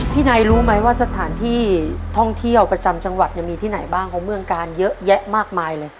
นายรู้ไหมว่าสถานที่ท่องเที่ยวประจำจังหวัดมีที่ไหนบ้างของเมืองกาลเยอะแยะมากมายเลย